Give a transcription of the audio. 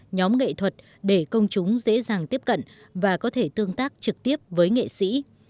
nhóm nghệ thuật để công chúng dễ dàng tiếp cận và có thể tương tác trực tiếp với nghệ sĩ